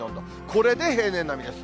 これで平年並みです。